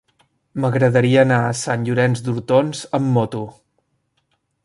M'agradaria anar a Sant Llorenç d'Hortons amb moto.